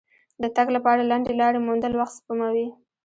د تګ لپاره لنډې لارې موندل وخت سپموي.